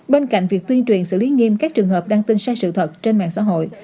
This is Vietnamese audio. bên cạnh việc tuyên truyền xử lý nghiêm các trường hợp đăng tin sai sự thật trên mạng xã hội